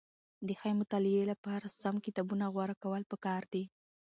د ښه مطالعې لپاره سم کتابونه غوره کول پکار دي.